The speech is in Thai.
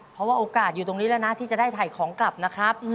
เพราะว่าโอกาสอยู่ตรงนี้แล้วนะที่จะได้ถ่ายของกลับนะครับ